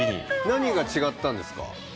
何が違ったんですか？